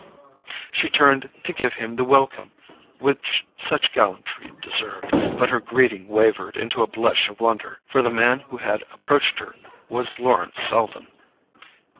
She turned to give him the welcome which such gallantry deserved; but her greeting wavered into a blush of wonder, for the man who had approached her was Lawrence Selden.